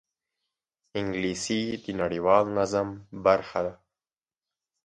انګلیسي د نړیوال نظم برخه ده